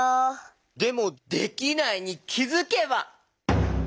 でも「できないに気づけば」？